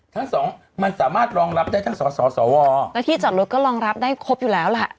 ทั้งสองมันสามารถรองรับได้ทั้งสสวแล้วที่จอดรถก็รองรับได้ครบอยู่แล้วล่ะ